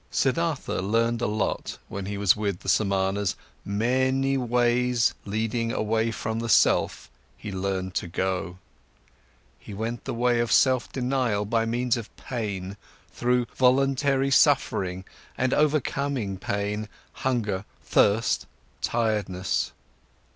Siddhartha learned a lot when he was with the Samanas, many ways leading away from the self he learned to go. He went the way of self denial by means of pain, through voluntarily suffering and overcoming pain, hunger, thirst, tiredness.